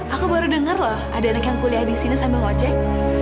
aku baru denger loh ada anak yang kuliah disini sambil ngojek